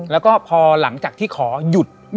แล้วก็พอหลังจากที่ขอหยุด